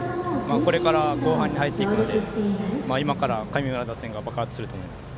これから後半に入っていくので今から神村学園打線が爆発すると思います。